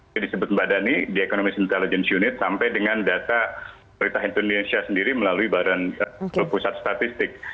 yang disebut mbak dhani di economic intelligence unit sampai dengan data perintah indonesia sendiri melalui badan pusat statistik